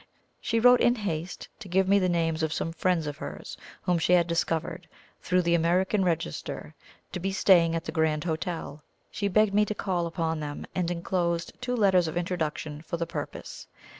She wrote "in haste" to give me the names of some friends of hers whom she had discovered, through the "American Register," to be staying at the Grand Hotel. She begged me to call upon them, and enclosed two letters of introduction for the purpose.